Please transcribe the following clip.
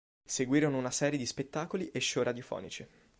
Seguirono una serie di spettacoli e show radiofonici.